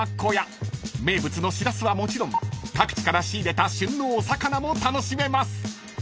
［名物のしらすはもちろん各地から仕入れた旬のお魚も楽しめます］